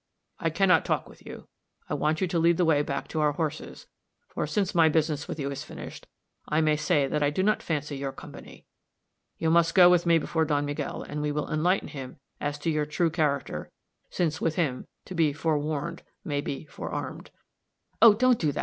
"I can not talk with you. I want you to lead the way back to our horses, for, since my business with you is finished, I may say that I do not fancy your company. You must go with me before Don Miguel, and we will enlighten him as to your true character, since with him to be 'forewarned may be fore armed.'" "Oh, don't do that!